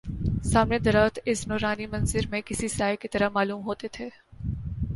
سامنے درخت اس نورانی منظر میں کسی سائے کی طرح معلوم ہوتے تھے